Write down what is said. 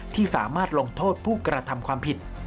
ที่สามารถลงโทษผู้กระทำความผิด